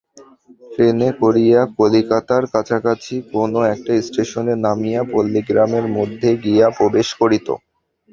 ট্রেনে করিয়া কলিকাতার কাছাকাছি কোনো একটা স্টেশনে নামিয়া পল্লীগ্রামের মধ্যে গিয়া প্রবেশ করিত।